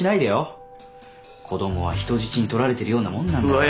子供は人質に取られてるようなもんなんだから。